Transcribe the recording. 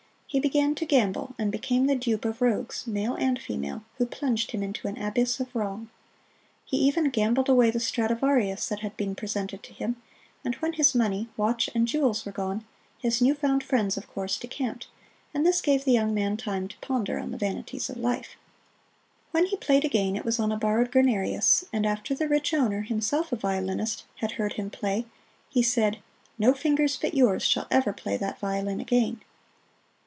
He began to gamble, and became the dupe of rogues male and female who plunged him into an abyss of wrong. He even gambled away the "Stradivarius" that had been presented to him, and when his money, watch and jewels were gone, his new found friends of course decamped, and this gave the young man time to ponder on the vanities of life. When he played again it was on a borrowed "Guarnerius," and after the rich owner, himself a violinist, had heard him play, he said, "No fingers but yours shall ever play that violin again!"